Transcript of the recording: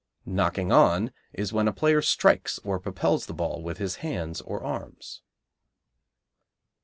Knocking on is when a player strikes or propels the ball with his hands or arms.